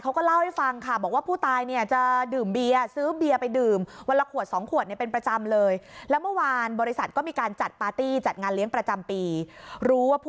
เขาก็เล่าให้ฟังค่ะบอกว่าผู้ตายจะดื่มเบียร์